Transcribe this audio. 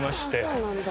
そうなんだ。